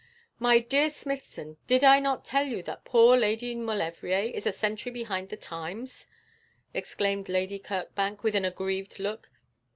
'My dear Smithson, did I not tell you that poor Lady Maulevrier is a century behind the times,' exclaimed Lady Kirkbank, with an aggrieved look.